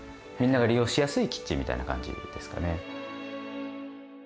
みんなが利用しやすいキッチンみたいな感じですかね。